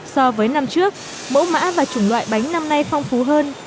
so với năm trước mẫu mã và chủng loại bánh năm nay phong phú hơn